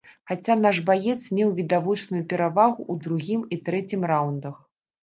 Хаця наш баец меў відавочную перавагу ў другім і трэцім раўндах.